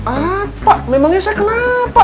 apa memangnya saya kenapa